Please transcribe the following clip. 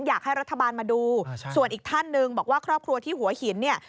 อยากให้รัฐบาลมาดูส่วนอีกท่านหนึ่งบอกว่าครอบครัวที่หัวหินเนี่ย